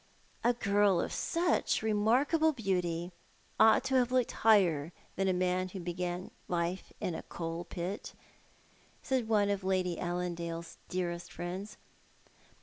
" A girl of such remarkable beauty ought to have looked higher than a man who began life in a coal pit," said one ot Lady Allandale's dearest friends.